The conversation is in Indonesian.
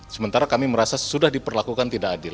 sementara kami merasa sudah diperlakukan tidak adil